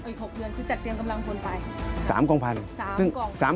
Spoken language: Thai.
อีก๖เดือนคือจัดเตรียมกำลังพนธุ์ไป